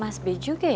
mas ferti kuterti